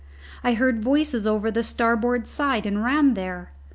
I heard voices over the starboard side and ran there.